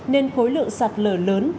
nên khối lượng sạt lở lớn